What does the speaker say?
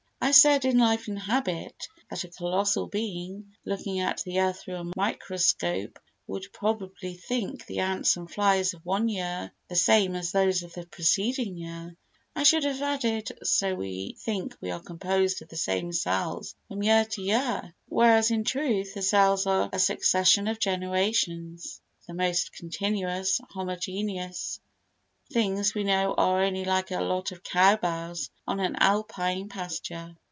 I said in Life and Habit that a colossal being, looking at the earth through a microscope, would probably think the ants and flies of one year the same as those of the preceding year. I should have added:—So we think we are composed of the same cells from year to year, whereas in truth the cells are a succession of generations. The most continuous, homogeneous things we know are only like a lot of cow bells on an alpine pasture.